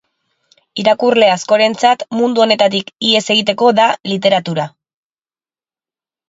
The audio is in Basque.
Irakurle askorentzat mundu honetatik ihes egiteko da literatura.